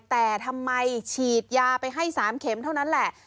แต่ทำไมฉีดยาไปให้๓เข็มเท่านั้นแหละ